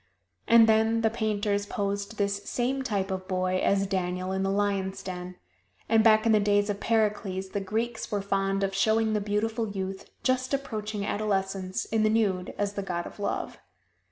And then the painters posed this same type of boy as Daniel in the lions' den; and back in the days of Pericles, the Greeks were fond of showing the beautiful youth, just approaching adolescence, in the nude, as the god of Love.